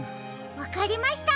わかりました！